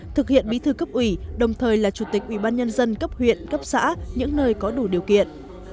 thực hiện bí thư cấp ủy đồng thời là chủ tịch ubnd cấp huyện cấp xã những nơi có đủ điều kiện